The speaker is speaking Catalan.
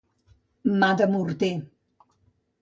Mà de morter.